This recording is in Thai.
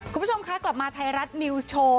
คุณผู้ชมคะกลับมาไทยรัฐนิวส์โชว์